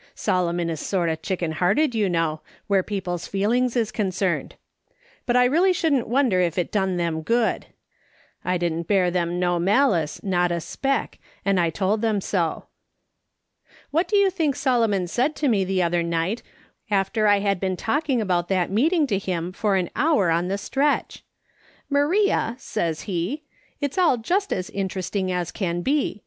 Solomon is sort o' chicken hearted, you know, where people's feelings is concerned. But I really shouldn't wonder if it done them good. I didn't bear them no malice, not a speck, and I told them so. " What do you think Solomon said to me the other night, after I had been talking about that meeting to him for an hour on the stretch ?' Maria,' says he, 'it's all just as interesting as it can be.